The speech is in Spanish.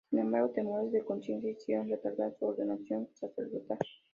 Sin embargo "temores de conciencia" hicieron retardar su ordenación sacerdotal.